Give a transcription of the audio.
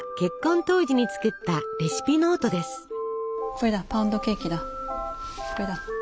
これだパウンドケーキだこれだ。